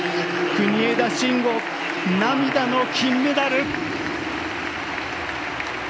国枝慎吾、涙の金メダル！